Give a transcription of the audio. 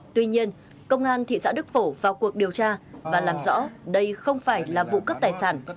tuy nhiên công an thị xã đức phổ vào cuộc điều tra và làm rõ đây không phải là vụ cướp tài sản